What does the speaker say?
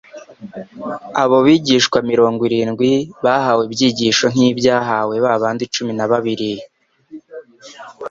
Abo bigishwa mirongo irindwi bahawe ibyigisho nk'ibyahawe babandi cumi na babiri;